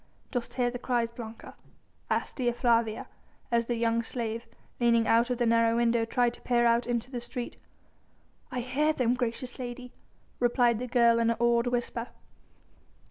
"Dost hear the cries, Blanca?" asked Dea Flavia, as the young slave, leaning out of the narrow window tried to peer out into the street. "I hear them, gracious lady," replied the girl in an awed whisper.